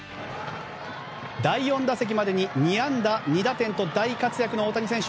第４打席までに２安打２打点と大活躍の大谷選手。